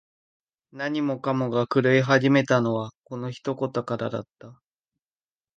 何もかもが狂い始めたのは、この一言からだった。